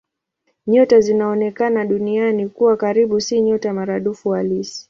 Nyota zinazoonekana Duniani kuwa karibu si nyota maradufu halisi.